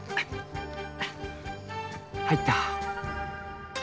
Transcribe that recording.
入った！